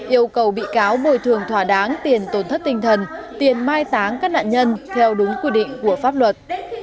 yêu cầu bị cáo bồi thường thỏa đáng tiền tổn thất tinh thần tiền mai táng các nạn nhân theo đúng quy định của pháp luật